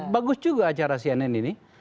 bagus juga acara cnn ini